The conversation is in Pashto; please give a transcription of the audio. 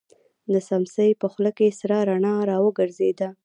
د سمڅې په خوله کې سره رڼا را وګرځېده.